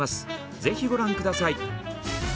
ぜひご覧下さい。